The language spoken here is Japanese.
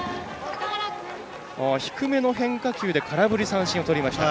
低めの変化球で空振り三振をとりました。